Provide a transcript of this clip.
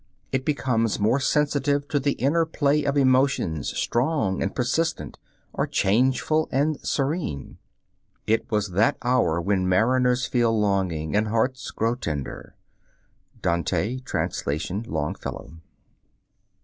It becomes more sensitive to the inner play of emotions, strong and persistent, or changeful and serene. "It was that hour when mariners feel longing, And hearts grow tender." (Dante, trans. Longfellow.)